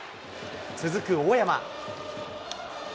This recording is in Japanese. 続く大山。